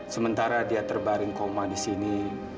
sementara dia terbaring koma disini